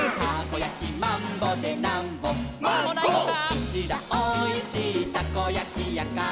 「うちらおいしいたこやきやから」